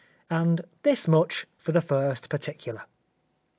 And this much for the first particular.